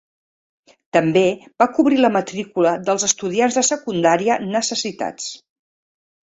També va cobrir la matrícula dels estudiants de secundària necessitats.